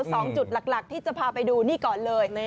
สองจุดหลักที่จะพาไปดูนี่ก่อนเลย